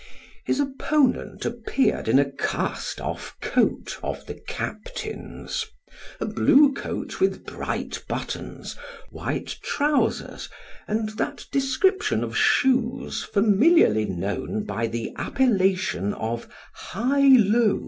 His opponent appeared in a cast on 1 coat of the captain's a blue coat with bright buttons : white trousers, and that description of shoes familiarly known by the appellation of " high lows."